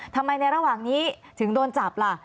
ในระหว่างนี้ถึงโดนจับล่ะ